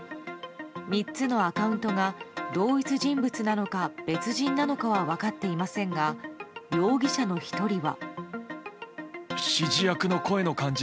３つのアカウントが同一人物なのか別人なのかは分かっていませんが容疑者の１人は。